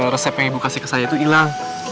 resep yang ibu kasih ke saya itu hilang